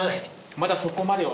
「まだそこまでは」